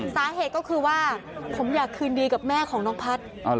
สาเหตุก็คือว่าผมอยากคืนดีกับแม่ของน้องพัฒน์